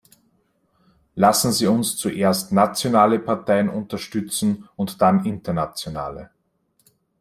Lassen Sie uns zuerst nationale Parteien unterstützen, und dann internationale.